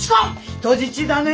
人質だね！